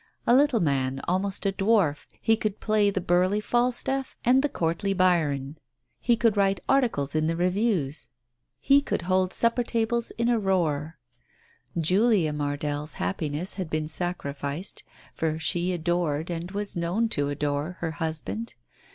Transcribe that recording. A little man, almost a dwarf, he could play the burly Falstaff and the courtly Biron; he could write articles in the Digitized by Google 42 TALES OF THE UNEASY Reviews; he could hold supper tables in a roar. Julia Mardell's happiness had been sacrificed, for she adored, and was known to adore, her husband.